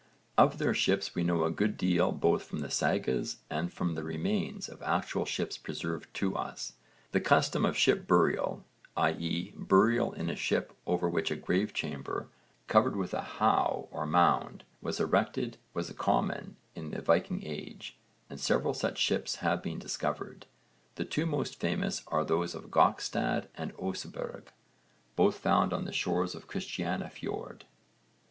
Of their ships we know a good deal both from the sagas and from the remains of actual ships preserved to us. The custom of ship burial, i.e. burial in a ship over which a grave chamber, covered with a how or mound, was erected, was common in the Viking age, and several such ships have been discovered. The two most famous are those of Gokstad and Oseberg, both found on the shores of Christiania Fjord.